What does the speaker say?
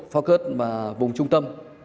focus và vùng trung tâm